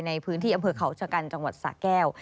ในพื้นที่อำเภอเขาชะกันจังหวัดสะแก้ว